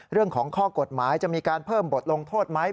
เรื่องของข้อกฎหมายจะมีการเพิ่มบทลงโทษไหม